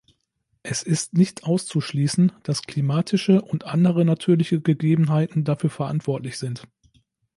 Es ist nicht auszuschließen, dass klimatische und andere natürliche Gegebenheiten dafür verantwortlich sind.